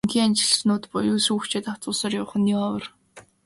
Эндэхийн ажилтнууд буюу шүүгчид автобусаар явах нь нэн ховор.